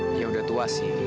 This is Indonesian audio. dia udah tua sih